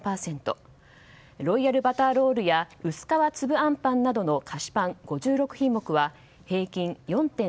ロイヤルバターロールや薄皮つぶあんぱんなどの菓子パン５６品目は平均４．３％